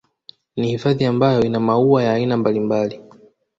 Ni hifadhi ambayo ina maua ya aina mbalimbali